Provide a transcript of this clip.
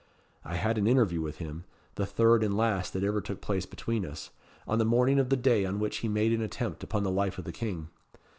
I had an interview with him the third and last that ever took place between us on the morning of the day on which he made an attempt upon the life of the King.